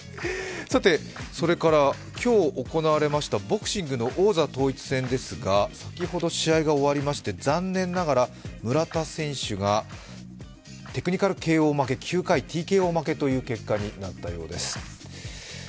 今日行われましたボクシングの王座統一戦ですが先ほど試合が終わりまして残念ながら村田選手がテクニカルＫＯ負け、９回ＴＫＯ負けということになったようです。